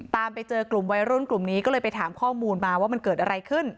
ตามไปเจอกลุ่มวัยรุ่นกลุ่มนี้ก็เลยไปถามข้อมูลมาว่ามันเกิดอะไรขึ้น